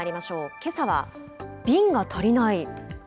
けさは、瓶が足りない！